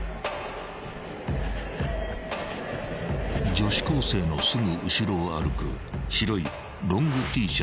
［女子高生のすぐ後ろを歩く白いロングＴシャツの男］